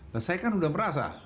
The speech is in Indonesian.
nah saya kan sudah merasa